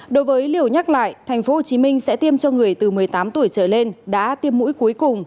đối với liều nhắc lại tp hcm sẽ tiêm cho người từ một mươi tám tuổi trở lên đã tiêm mũi cuối cùng